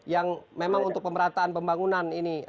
yang memang untuk pemerataan pembangunan ini